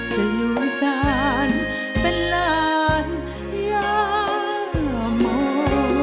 จะอยู่สานเป็นลานอย่ามอง